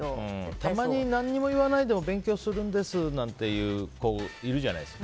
たまに何にも言わないでも勉強するんですなんて子いるじゃないですか。